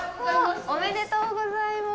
おめでとうございます。